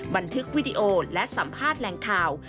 บันทึกวิดีโอและสัมภาษณ์แหล่งข่าว